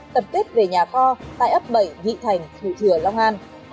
tập kết về nhà kho tại ấp bảy vị thành thủ thừa long an